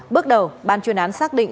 bước đầu ban chuyên án xác định